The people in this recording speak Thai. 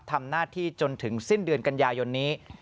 ทำหน้าที่จนถึงสิ้นเดือนกันยายนนี้